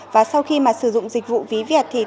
và sau khi mà sử dụng dịch vụ ví việt thì